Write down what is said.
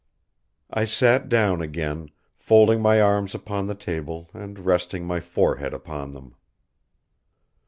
I sat down again, folding my arms upon the table and resting my forehead upon them.